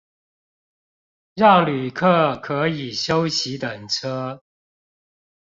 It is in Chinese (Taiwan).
讓旅客可以休息等車